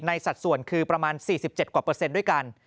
สัดส่วนคือประมาณ๔๗กว่าเปอร์เซ็นต์ด้วยกัน